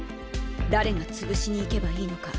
誰が潰しに行けばいいのか？